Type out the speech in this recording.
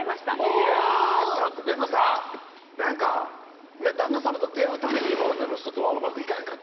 いやちょっとでもさぁなんか旦那さまと出会うために今までの人とはうまくいかへんかっ